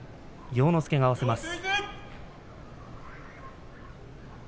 要之助が合わせます。